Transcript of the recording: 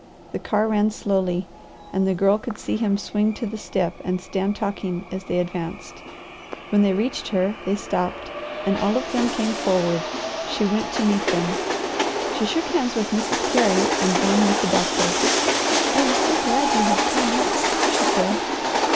The car ran slowly, and the Girl could see him swing to the step and stand talking as they advanced. When they reached her they stopped and all of them came forward. She went to meet them. She shook hands with Mrs. Carey and then with the doctor. "I am so glad you have come," she said.